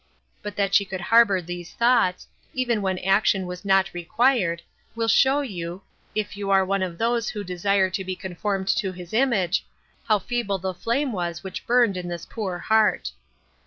But that she could harbor these thoughts, even when action was not required, will show you (if you are one of those who desire to be conformed to His image) how feeble the flame was which burned in this poor heart.